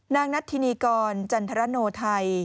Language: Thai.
นางนัทธินีกรจันทรโนไทย